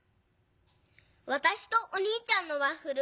わたしとおにいちゃんのワッフル